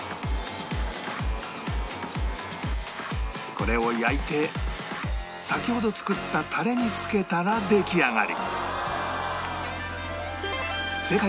これを焼いて先ほど作ったタレにつけたら出来上がり